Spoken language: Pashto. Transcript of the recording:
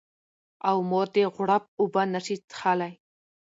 او مور دې غوړپ اوبه نه شي څښلی